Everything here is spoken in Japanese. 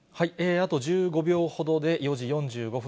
あと１５秒ほどで４時４５分、